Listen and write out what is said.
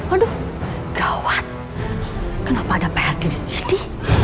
aduh gawat kenapa ada pak herdi disini